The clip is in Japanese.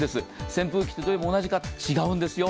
扇風機ってどれも同じか、違うんですよ。